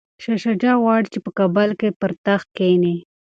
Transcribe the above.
شاه شجاع غواړي چي په کابل کي پر تخت کښیني.